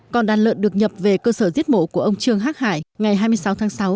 còn đàn lợn được nhập về cơ sở giết mổ của ông trương hác hải ngày hai mươi sáu tháng sáu